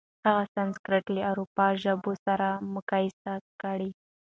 هغه سانسکریت له اروپايي ژبو سره مقایسه کړه.